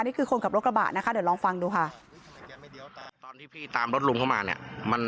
นี่คือคนขับรถกระบะนะคะเดี๋ยวลองฟังดูค่ะ